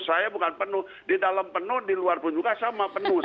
saya bukan penuh di dalam penuh di luar pun juga sama penuh